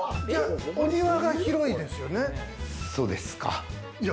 お庭が広いですよね。